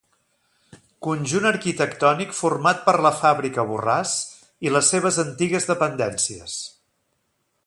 Conjunt arquitectònic format per la fàbrica Borràs i les seves antigues dependències.